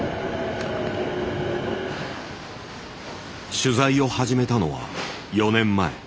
取材を始めたのは４年前。